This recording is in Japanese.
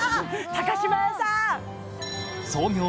島屋さん！